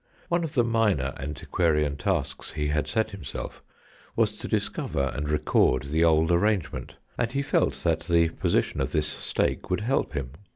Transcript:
One of the minor antiquarian tasks he had set himself was to discover and record the old arrangement, and he felt that the position of this stake would help him.